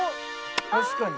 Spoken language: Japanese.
確かに。